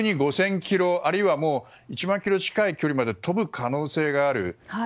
優に５０００ｋｍあるいは１万ｋｍ近い距離まで飛ぶ可能性がある。